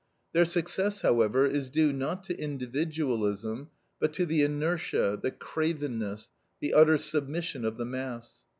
Their success, however, is due not to individualism, but to the inertia, the cravenness, the utter submission of the mass.